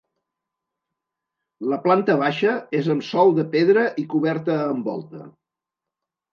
La planta baixa és amb sòl de pedra i coberta amb volta.